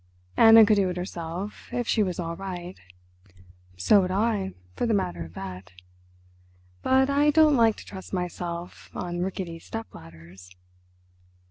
Anna could do it herself if she was all right. So would I, for the matter of that, but I don't like to trust myself on rickety step ladders."